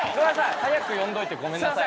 早く呼んどいてごめんなさい